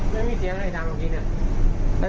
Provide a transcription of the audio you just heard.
ไม่มีเสียงให้ทางตรงนี้เนี่ย